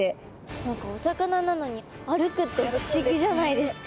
何かお魚なのに歩くって不思議じゃないですか。